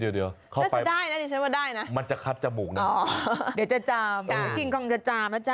เดี๋ยวเข้าไปได้นะมันจะครับจมูกโอ้ยคิงคองจะจามนะ